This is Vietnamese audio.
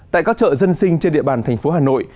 tại các chợ dân sinh trên địa bàn thành phố hà nội